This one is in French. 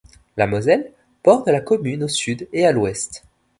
La Moselle borde la commune au sud et à l'ouest.